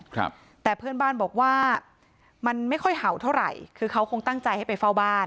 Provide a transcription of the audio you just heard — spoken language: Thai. ครับแต่เพื่อนบ้านบอกว่ามันไม่ค่อยเห่าเท่าไหร่คือเขาคงตั้งใจให้ไปเฝ้าบ้าน